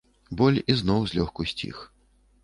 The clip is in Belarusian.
Боль ізноў злёгку сціх.